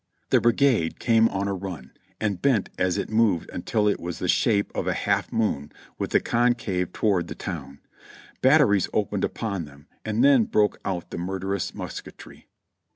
The brigade came on a run, and bent as it moved until it was the shape of a half moon with the concave toward the town. Batteries opened upon them : and then broke out the murderous musketry.